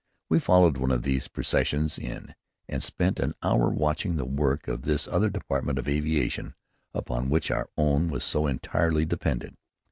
We followed one of these processions in, and spent an hour watching the work of this other department of aviation upon which our own was so entirely dependent.